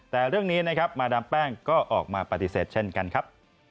แต่เรื่องนี้นะครับมาดามแป้งก็ออกมาปฏิเสธเช่นกันครับ